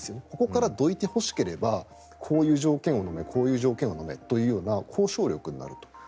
ここからどいてほしければこういう条件をのめというような交渉力になると。